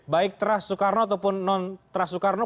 baik terah soekarno ataupun non terah soekarno